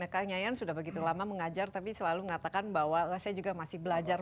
kang yayan sudah begitu lama mengajar tapi selalu mengatakan bahwa saya juga masih belajar